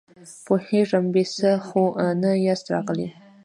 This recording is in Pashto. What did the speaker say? پوهېږم، بې څه خو نه ياست راغلي!